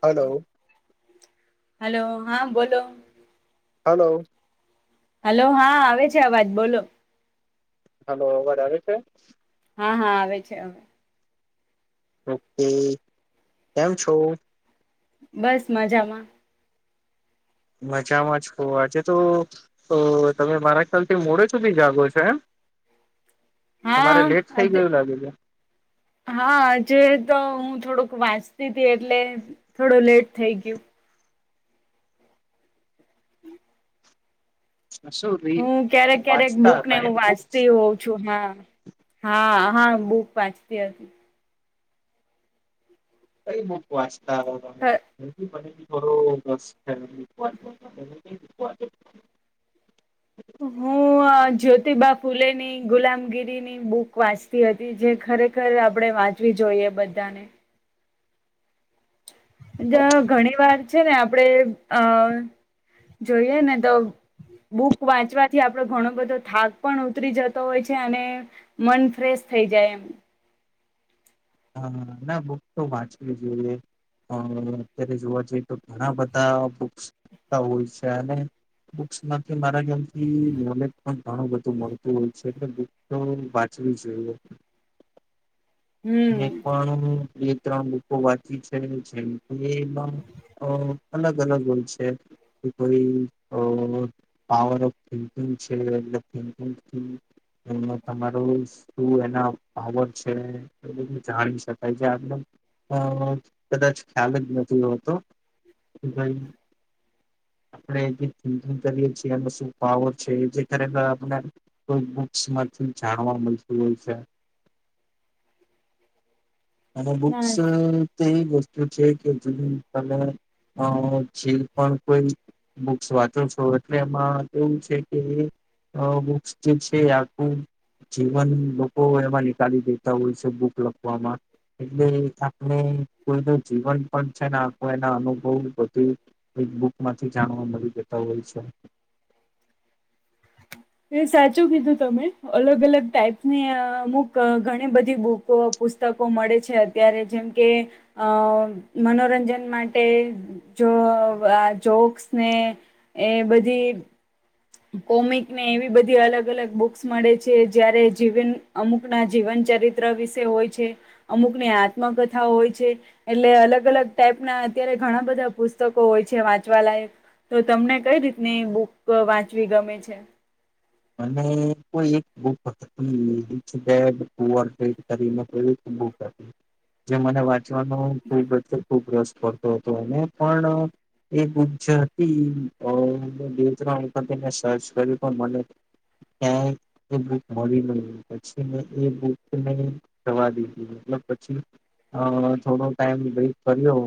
Hello hello હા બોલો hello hello હા આવે છે અવાજ બોલો હલો અવાજ આવે છે હા હા આવે છે અ ઓકે કેમ છો બસ મજામાં મજામાં છો આજે તો તમે અ મારા ખ્યાલથી મોડે સુધી જાગો છો એમ હા તમારે લેટ થઈ આત ગયું લાગે છે હા આજ તો હું થોડુંક વાંચતી હતી એટલે થોડું લેટ થઈ ગયું શું રી હું ક્યારેક ક્યારેક વાંચતા ભુક ને હતા હું એમ બુક વાંચતી હોઉં છું. હા, હા હા બહ પાચતી હતી. કઈ બુક વાચ રાા [inaudible] [inaudible] હું જ્યોતિબા ફુલેની ગુલામગીરીની બુક વાંચતી હતી જે ખરેખર આપણે વાંચવી જોઈએ બધાને ઘણી વાર છે ને આપણેે અ જોઈએ ને તો બુક વાંચવાથી આપડો ઘણો બધો થાક પણ ઉતરી જતો હોય છે અને મન ફ્રેશ થઈ જાય એમ. હ ના બુક તો વાંચવી જોઈએ અત્યારે જોવા જઈએ તો ઘણા બધા બસ હોય છે અને બસમાંથી મારા્યામથી નોલેજ પણ ઘણું બધું મળતું હોય છે એટલે બક તો વાંચવી જોઈએ. હમ પણ એ ત્રણ બુકો વાંચી છે જે એમાં અલગ-અલગ હોય છે કે કોઈ પાવર ઓફિકિંગ છે એલેકથી તમારો શું એના પાવર છે. જાણી શકાય છે આપણે કદાચ ખ્યાલ જ નથી હોતો કે ભાઈ આપણેકંગ કરીએ છીએ એનો શું પાવર છે એ જે ખરેખર આપને કોઈ બુક્સમાંથી જાણવા મળતું હોય છે. અને બુક્સ ના તે ગોસ્ છે કે જ તમે જે પણ કોઈ બુક્સ વાંચો છો એટલે એમાં કેવું છે કે બુક્સ જે છે આખું જીવન લોકો એમાં નિકાળી દેતા હોય છે. બુક લખવામાં એટલે આપને કોઈ ન જીવન પણ છે ને એના અનુભવ બધું એક બુક માંથી જાણવા મળી જતા હોય છે. સાચું કીધું તમે અલગ અલગ ટાઈપની અમુક ઘણી બધી બુકો પુસ્તકો મળે છે અત્યારે જેમ કે અ મનોરંજન માટે જો આ જોક્સ ને એ બધી કોમિક ને એવી બધી અલગ-અલગ બુક્સ મળે છે જયારે જીવન અમુક ના જીવન ચરિત્ર વિશે હોય છે અમુક ની આત્મકથા હોય છે એટલે અલગ અલગ ટાઈપ ના અત્યારે ઘણા બધા પુસ્તકો હોય છે વાંચવા લયક તો તમને કઈ રીતની બુક વાંચવી ગમે છે. કો એક જે મને. વાનું બ ખૂબ રસ પડતો હતો એને પણ એ બ જે હતી મે બે ત્રણ વખત સર્ચ કર મને ક્યાંય એ બુક મળી ન પછી મે એ બુકને જવા દીધી મત પછી થોડો ટાઈમ વેટ કર્યો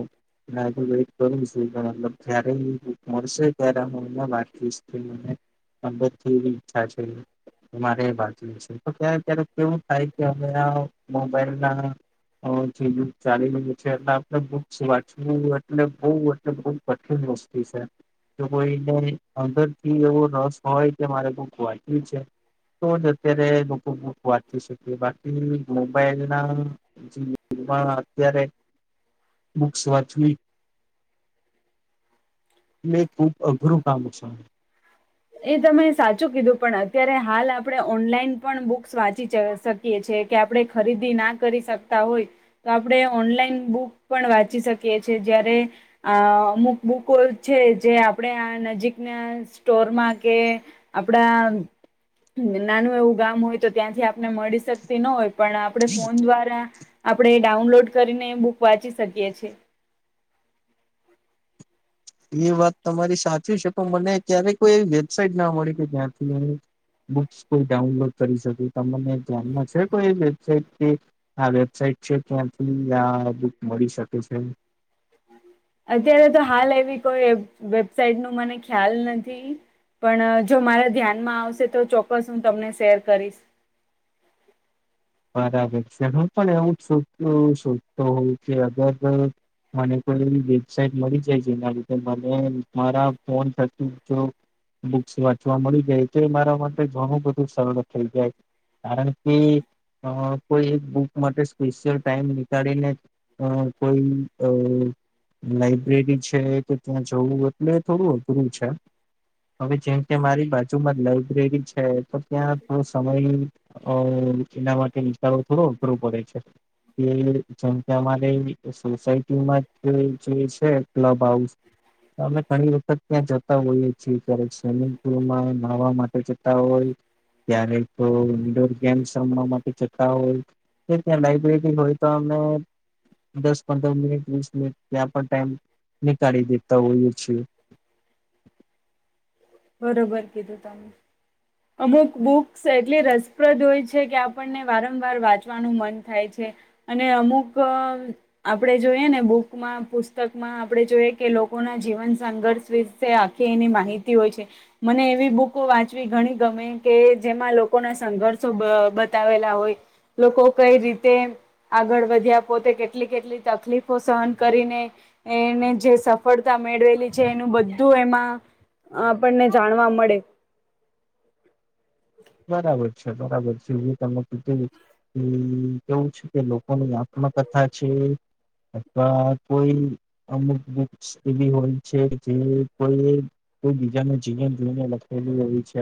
આજ વેટ કરું છું જ્યારે બક મળશે ત્યારે છે મારે વાત છે તો ક્યારે ક્યારેક કેવું થાય કે અમે આ મોબાઈલ ના. ચાલી છે એટલે આપણે બુ શું એટલે બ એટલે બ કઠિન વસ્તુ છે જો કોઈને અંદરથી એવો રસ હોય કે મારે વાંચ્યું છે તો જ અત્યારે લોકો બુક વાંચી શકે બાકી મોબાઈલ નામાં અત્યારે બક્સ વાંચવી એ ખુબ અઘરું કામ છે. એ તમે સાચું કીધું પણ અત્યારે હાલ આપણે ઓનલાઈન પણ બુક્સ વાંચી શકીએ છેએ કે આપણે ખરીદી ના કરી શકતા હોય તો આપણે ઓનલાઈન બુક પણ વાંચી શકીએ છે જયારે અમુક બુકો છે જે આપણે આ નજીકના સ્ટોરમાં કે આપડા નાનું એવું ગામ હોય તો ત્યાંથી આપને મળી શકતી ન હોય. પણ આપણે ફોન દ્વારા આપણે ડાઉનલોડ કરીને બુક વાંચી શકીએ છે. એ વાત તમારી સાચી છે તો મને ક્યારે કોઈ એવી વેબસાઇટ ના મળી કે જ્યાંથી બુક કોઈ ડાઉનલોડ કરી શકે તમને ધ્યાનમાં છે કોઈ વેબસાઇટ કે આ વેબસાઇટ છે ત્યાંથી આ બુક મળી શકે છે. અત્યારે તો હાલ એવી કોઈ વેબસાઇટ નું મને ખ્યાલ નથી પણ જો મારા ધ્યાનમાં આવશે તો ચોક્કસ હું તમને શેર કરીશ. મારા વબટ હું પણ એવું જ સોધતો હોઉ કે અગર મને કોઈ એવી વેબસાઇટ મળી જાય જેના લીધે મને મારા ફોન થ જો બુક્સ વાંચવા મળી જાય તો એ મારા માટે ઘણું બધું સરળ થઈ જાય કારણ કે અ કોઈ એક બુક માટે સ્પેશિયલ ટાઈમ નીકાળીને કોઈ અ લાઈબ્રેરી છે કે ત્યાં જવું એટલે થોડું અઘરું છે હવે જેમ કે મારી બાજુમાં લાઈબ્રેરી છે તો ત્યાં થોડો સમય અ એના માટે ચારો થોડો અઘરો પડે છે કે જેમ કે અમારે સોસાયટીમાં જે છે ક્લબ હાઉસ અમે ઘણી વખત ત્યાં જતા હોઈએ છીએ ક્યારે સ્વિમિંગ પુલમાં નહવા માટે જતા હોય ક્યારે તો ઇન્ડોર ગેમ્સ વા માટે જતા હોય ત્યાં લાઈબ્રેરી હોય તો અ દસ પંદર મિનિટ વીસ મિનિટ ત્યાં પણ ટાઈમ નીકાળી દેતા હોઈએ છીએ. બરોબર કીધું તમે અમુક બુક્સ એટલી રસપ્રદ હોય છે કે આપણને વારંવાર વાંચવાનું મન થાય છે અને અમુક આપડે જોઈએ ને બુકમાં પુસ્તકમાં આપણેે જોઈએ કે લોકોના જીવન સંઘર્ષ વિશે આખી એની માહિતી હોય છે. મને એવી બુકો વાંચવી ઘણી ગમે કે જેમાં લોકોના સંઘર્ષો બતાવેલા હોય લોકો કઈ રીતે આગળ વધ્યા પોતે કેટલી કેટલી તકલીફો સહન કરીને એને જે સફળતા મેળવેલી છે એનું બધું એમાં આપણને જાણવા મળે. બબર બરાબર છે ત કેવું છે કે લોકોની આત્મકથા છે અથવા કોઈ અમુક બ એવી હોય છે જે કોઈ બીજાને જીને જોઈને લખેલી હોય છે.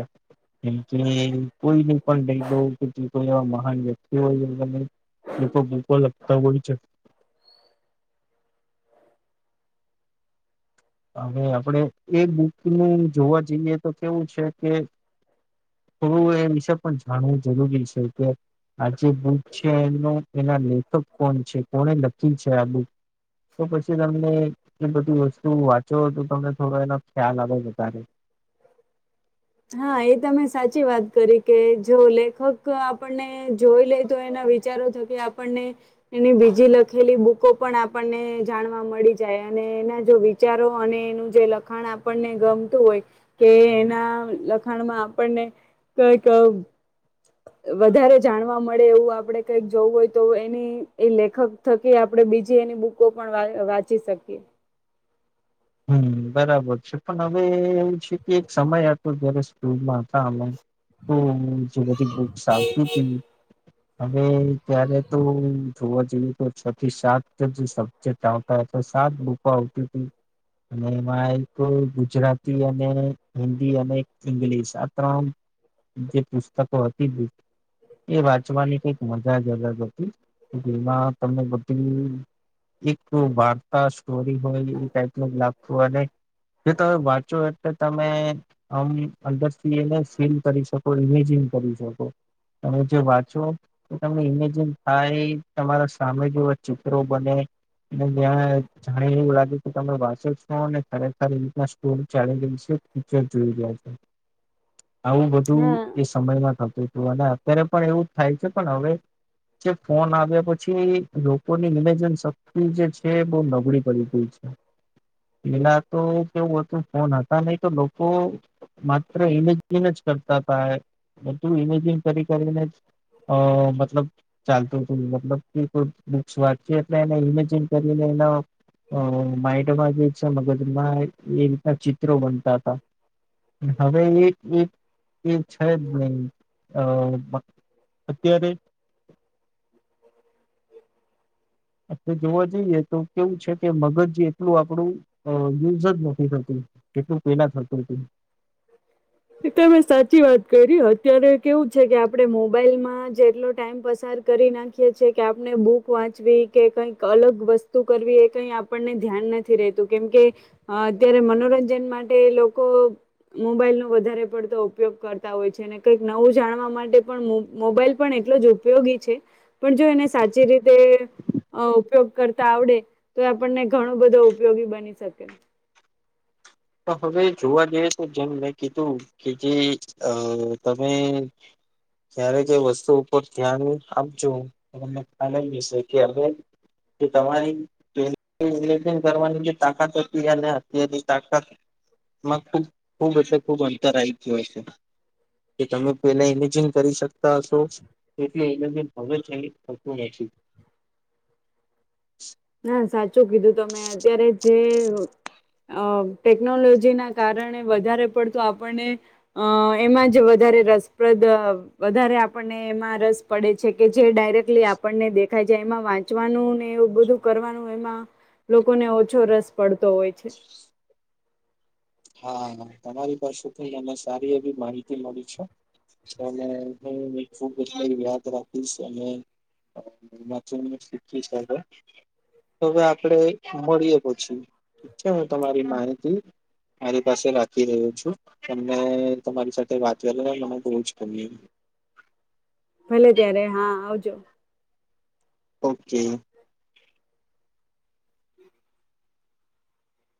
કોઈને પણ કે કોઈ એવા મહાન વ્યક્તિ હોય તને લોકો ભૂકો લગતા હોય છે. હવે આપણેે એ બુક નું જોવા જઈએ તો કેવું છે કે થોડું એ હિબ પણ જાણવું જરૂરી છે. કે આ જે બુક છે એનો એના લેખક કોણ છે કોને લખી છે આ બુક તો પછી તમને એ બધી તું વાંચ્યો હતો તમને થોડો એના હા એ તમે સાચી વાત. તકે જો લેખક આપણને જોઈ લે તો એના વિચારો થકી આપણને એની બીજી લખેલી બુકો પણ આપણને જાણવા મળી જાય અને એના જો વિચારો અને એનું જે લખાણ આપણને ગમતું હોય કે એના લખાણમાં આપણને કઈક વધારે જાણવા મળે એવું આપણે કઈક જોવું હોય તો એની એ લેખક થકી આપણે બીજી એની બુકો પણ વાંચી શકીએ. હમ બરાબર છે પણ હવે એું છે કે એક સમય હતો જય્યારે સ્કૂલમાં હતા અમે. તો જે બધી બુક્સ આવતી હતી હવે ત્યારે તો જોવા જેવી તો છ થી સાત જ સબ્જેક્ટ આવતા સાત બુકો આવતી હતી. અને એમાં એક ગુજરાતી અને હિન્દી અને ઈંગ્લિશ આ ત્રમ જે પુસ્તકો હતી એ વાંચવાની કઈક મજા જ અલગ હતી જેમાં તને બધું એક વાર્તા સ્ટોરી હોય લાગતું અને જો તમે વાંચો એટલે તમે આમ અંદરથી એને ફીલ કરી શકો ઇમેજિન કરી શકો તમે જે વાંચો તો તમને ઈમેજિન થાય તમારા સામે જેવા ચિત્રો બને ત્યાં જાણી એવું લાગે. તમે વાચો છો અને ખરેખરીતના સ્ટોરી ચાલેશે ફીચર જોઈ રહ્યા છો. આવું બધું હા એ સમયમાં થતું. અને અત્યારે પણ એવું જ થાય છે પણ હવે જે ફોન આવ્યા પછી લોકોની નિવેજન શક્તિ જે છે બહ નબળી પડી ગઈ છે. પેલા તો કેવું હતું ફોન હતા નહ તો લોકો માત્ર ઈમેજિન કરતા હતા બધું ઇમેજિ કરી કરીને મતલબ ચાલતું હતુંતલબ કો વાચ એટલે ઇમે કરીને એડ મગજમાં એક ચિત્ર બનત હવે એક એક એ છે જ નહી અ અત્યારે આપણે જોવા જઈએ તો કેવું છે કે મગજજી એટલું આપણું યુઝ જ નથી થતું એટલું પેલા થતું હત. તમે સાચી વાત અત્યારે કેવું છે કે આપણે મોબાઈલમાં જટલો ટાઈમ પસાર કરી નાખીએ છેએ કે આપણે બુક વાંચવી કે કઈક અલગ વસ્તુ કરવી એ કઈ આપણને ધ્યાન નથી રેતું કેમકે અત્યારે મનોરંજન માટે લોકો મોબાઈલ નો વધારે પડતો ઉપયોગ કરતા હોય છે અને કંઈક નવું જાણવા માટે પણ મોબાઈલ પણ એટલો જ ઉપયોગી છે પણ જો એને સાચી રીતે ઉપયોગ કરતા આવડે તો એ આપણને ઘણો બધો ઉપયોગી બની શકે. તો હવે જોવા જઈએ તો જેમ મેં કીધું કે જે અ તમે જ્યારે જે વસ્તુ ઉપર ધ્યાન આપજો મમને ખ્યાલશે કે હવે તમારી કરવાની જે તાકાત હતી અને અત્યારની માં ખૂબ ખૂબ એટલે ખૂબ અંતર આવી ગું હ છે કે તમે પેલા ઇમેજિન કરી શકતા હશો તેટ ઇમેજિન હવે થતું નથી હા સાચું કીધું તમે અત્યારે જે ટેકનોલોજી ના કારણે વધારે પડતું આપણને અ એમાં જ વધારે રસપ્રદ વધારે આપણને એમાં રસ પડે છે કે જે ડાયરેક્ટલી આપણને દેખાય છે એમાં વાંચવાનું ને એવું બધું કરવાનું એમાં લોકોને ઓછો રસ પડતો હોય છે. હા તમારી પાસેથીને સારી એવી માહિતી મળી છું અને હું ખ યાદ રાખીશ અનેીખી હ હવે આપડે મળીએ પછી ઠક છે હું તમારી માહિતી મારી પાસે રાખી રહ્યો છું તમને તમારી સાથે વાત કરી મને બહ જ ગમ ભલે ત્યારે હા આવજો. આવજો. ઓકે.